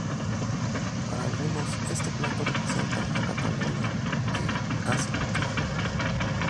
Para algunos, este plato representa a Cataluña y a su cultura.